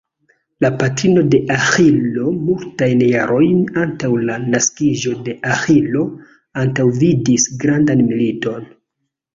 La patrino de Aĥilo multajn jarojn antaŭ la naskiĝo de Aĥilo antaŭvidis grandan militon.